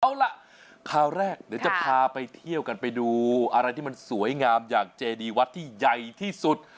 เอาล่ะคราวแรกเดี๋ยวจะพาไปเที่ยวกันไปดูอะไรที่มันสวยงามอย่างเจดีวัดที่ใหญ่ที่สุด